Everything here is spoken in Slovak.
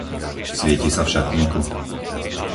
Svieti sa v šatníku?